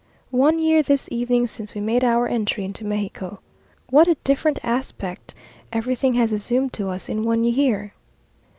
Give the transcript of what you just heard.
One year this evening since we made our entry into Mexico. What a different aspect everything has assumed to us in one year!